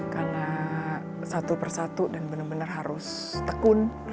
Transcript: karena satu persatu dan benar benar harus tekun